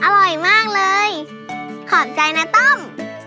อร่อยมากเลยขอบใจนะต้อม